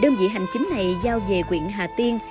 đơn vị hành chính này giao về quyện hà tiên